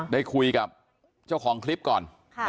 ได้คุยกับเจ้าของคลิปก่อน